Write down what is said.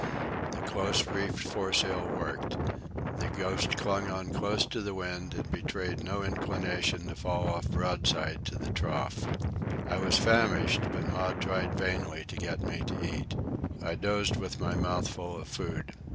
The close reefed foresail worked. The Ghost clung on close to the wind and betrayed no inclination to fall off broadside to the trough. I was famished, but Maud tried vainly to get me to eat. I dozed with my mouth full of food.